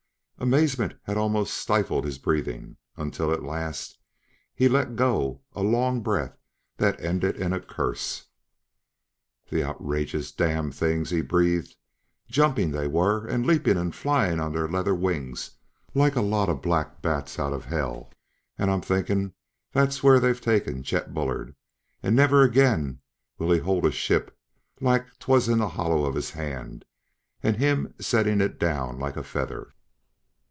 Amazement had almost stifled his breathing, until at last he let go a long breath that ended in a curse. "The outrageous, damned things!" he breathed. "Jumping, they were, and leaping, and flying on their leather wings like a lot of black bats out o' hell! And I'm thinkin' that's where they've taken Chet Bullard, and never again will he hold a ship like 'twas in the hollow of his hand, and him settin' it down like a feather!